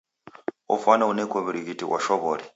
Ofwana uneko w'urighiti ghwa shwaw'ori.